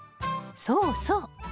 そうそう。